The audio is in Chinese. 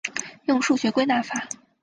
用数学归纳法。